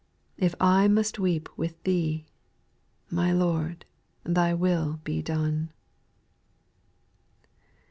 If I must weep with Thee, My Lord, Thy will be done I 6.